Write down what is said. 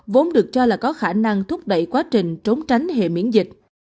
vốn được cho là có khả năng thúc đẩy quá trình trốn tránh hệ miễn dịch